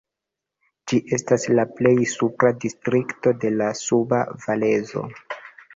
Ĝi estas la plej supra distrikto de la Suba Valezo.